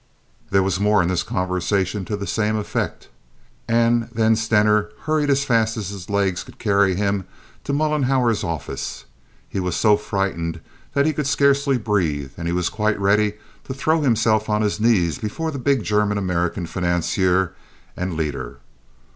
There was more in this conversation to the same effect, and then Stener hurried as fast as his legs could carry him to Mollenhauer's office. He was so frightened that he could scarcely breathe, and he was quite ready to throw himself on his knees before the big German American financier and leader.